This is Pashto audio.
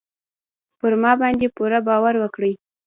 پر ما باندې پوره باور وکړئ.